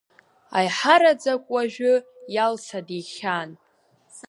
Аиҳараӡак уажәы Иалса дихьаан.